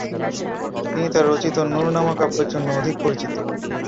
তিনি তার রচিত নূরনামা কাব্যের জন্য অধিক পরিচিত।